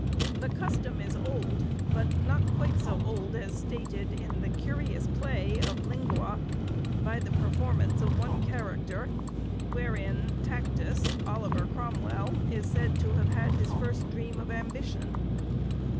The custom is old, but not quite so old as stated in the curious play of 'Lingua;' by the performance of one character, wherein—Tactus—Oliver Cromwell is said to have had his first dream of ambition.